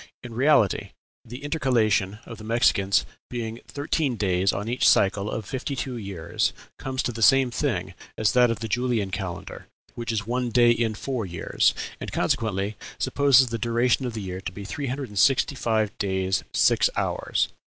In reality, the intercalation of the Mexicans being thirteen days on each cycle of fifty two years, comes to the same thing as that of the Julian calendar, which is one day in four years; and consequently supposes the duration of the year to be three hundred and sixty five days six hours.